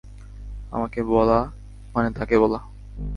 আমাকে বলা মানে তাকে বলা।